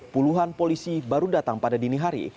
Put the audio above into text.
puluhan polisi baru datang pada dini hari